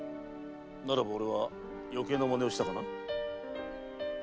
ならば俺はよけいな真似をしたかな？